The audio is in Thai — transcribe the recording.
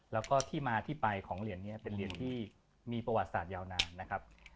แล้วก็ที่มาที่ไปของเหรียญนี้เป็นเหรียญที่มีประวัติศาสตร์ยาวนานนะครับ